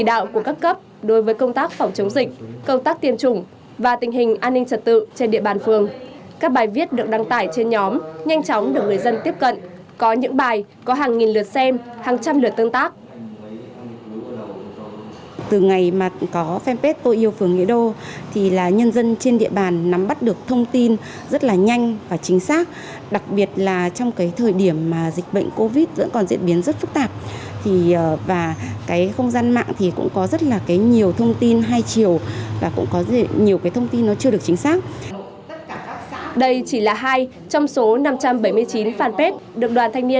đây chỉ là hai trong số năm trăm bảy mươi chín fanpage được đoàn thanh niên công an thành phố hà nội và ba mươi quận huyện thị đoàn trên địa bàn thủ đô phối hợp vận hành